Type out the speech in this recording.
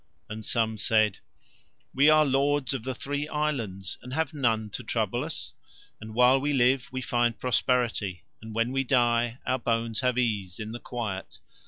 And some said: "We are lords of the Three Islands and have none to trouble us, and while we live we find prosperity, and when we die our bones have ease in the quiet.